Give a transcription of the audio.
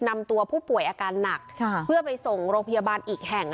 นำตัวผู้ป่วยอาการหนักเพื่อไปส่งโรงพยาบาลอีกแห่ง